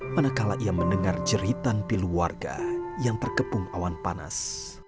manakala ia mendengar jeritan pilu warga yang terkepung awan panas